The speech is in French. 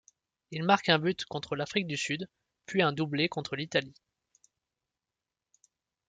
Il marque un but contre l'Afrique du Sud, puis un doublé contre l'Italie.